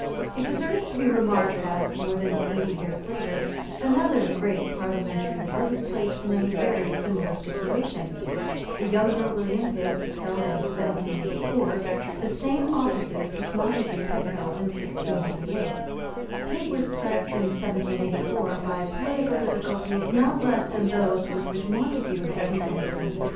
It deserves to be remarked that, more than eighty years later, another great parliamentary leader was placed in a very similar situation. The younger William Pitt held in 1784 the same offices which Montague had held in 1698. Pitt was pressed in 1784 by political difficulties not less than those with which Montague had contended in 1698.